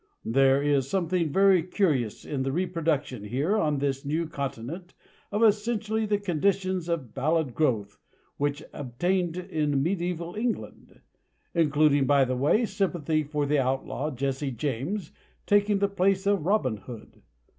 There is something very curious in the reproduction here on this new continent of essentially the conditions of ballad growth which obtained in mediæval England; including, by the way, sympathy for the outlaw, Jesse James taking the place of Robin Hood.